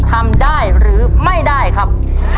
ทำได้หรือไม่ได้ครับ